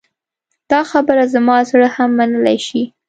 دا خبره زما زړه هم منلی شي.